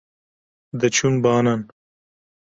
diçûn banan